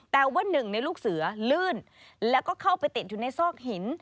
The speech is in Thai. แต่ว่าหนึ่งในลูกเสือลื่นแล้วก็เข้าไปติดอยู่ในซอกหิน